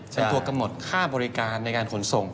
เป็นตัวกำหนดค่าบริการในการขนส่ง